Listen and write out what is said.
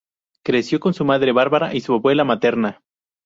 Creció con su madre Barbara y su abuela materna.